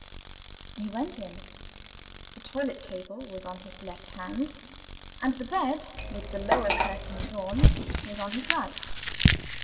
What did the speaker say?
He went in. The toilet table was on his left hand, and the bed (with the lower curtain drawn) was on his right.